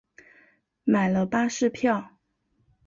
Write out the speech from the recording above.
买了巴士票